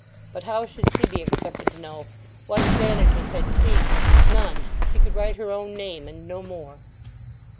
But how should she be expected to know? What advantages had she? None. She could write her own name, and no more."